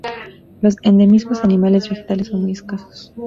Los endemismos animales y vegetales son muy escasos.